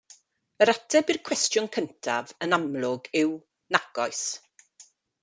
Yr ateb i'r cwestiwn cyntaf yn amlwg yw nac oes.